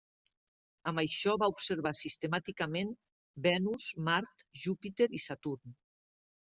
Amb això va observar sistemàticament Venus, Mart, Júpiter i Saturn.